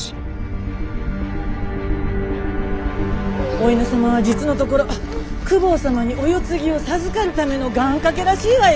お犬様は実のところ公方様にお世継ぎを授かるための願かけらしいわよ。